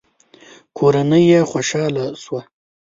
کورنۍ يې خوشاله شوه.